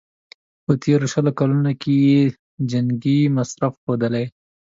په تېرو شلو کلونو کې یې جنګي مصرف ښودلی.